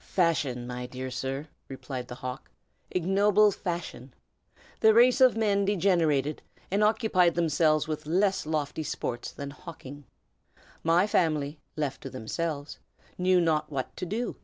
"Fashion, my dear sir!" replied the hawk, "ignoble fashion! The race of men degenerated, and occupied themselves with less lofty sports than hawking. My family, left to themselves, knew not what to do.